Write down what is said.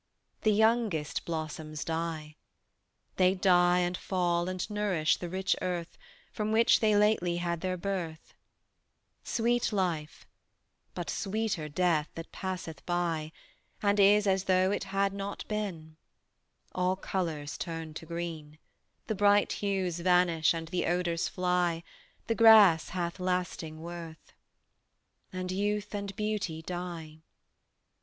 The youngest blossoms die. They die and fall and nourish the rich earth From which they lately had their birth; Sweet life, but sweeter death that passeth by And is as though it had not been: All colors turn to green; The bright hues vanish and the odors fly, The grass hath lasting worth. And youth and beauty die.